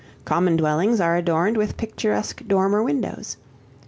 Common dwellings are adorned with picturesque dormer windows.